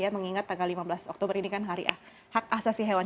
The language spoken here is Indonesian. mengingat tanggal lima belas oktober ini kan hak asasi hewan